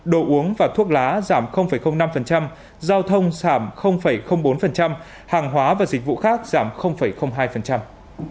đồ uống và thuốc lá giảm năm giao thông giảm bốn hàng hóa và dịch vụ khác giảm hai